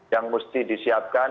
yang mesti disiapkan